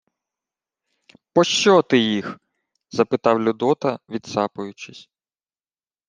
— Пощо ти їх? — запитав Людота, відсапуючись.